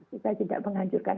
kita tidak menghancurkan